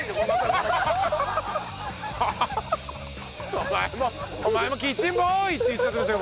お前もお前もキッチンボーイって言っちゃったでしょ。